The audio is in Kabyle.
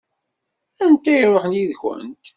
Anta i iṛuḥen yid-kent?